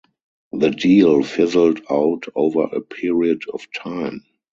The deal fizzled out over a period of time.